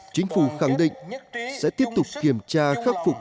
chính phủ khẳng định sẽ tiếp tục kiểm tra khắc phục